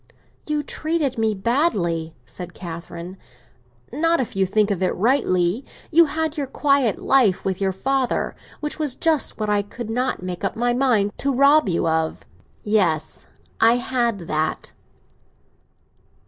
"You treated me badly," said Catherine. "Not if you think of it rightly. You had your quiet life with your father—which was just what I could not make up my mind to rob you of." "Yes; I had that."